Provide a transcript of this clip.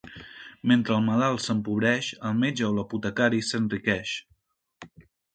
Mentre el malalt s'empobreix el metge o l'apotecari s'enriqueix.